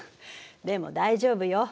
でも大丈夫よ。